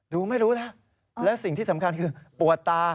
ไม่รู้แล้วและสิ่งที่สำคัญคือปวดตา